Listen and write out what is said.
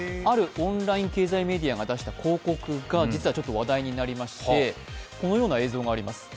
オンライン経済メディアが出した広告が実は話題になりまして、このような映像があります。